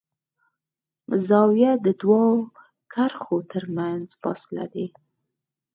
زاویه د دوو کرښو تر منځ فاصله ده.